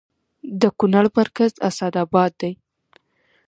د کونړ مرکز اسداباد دی